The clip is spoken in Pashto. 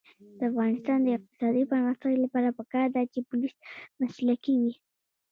د افغانستان د اقتصادي پرمختګ لپاره پکار ده چې پولیس مسلکي وي.